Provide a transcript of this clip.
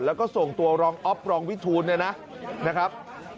แล้วก็ส่งตัวรองอ๊อฟรองวิทูลเนี่ยนะครับ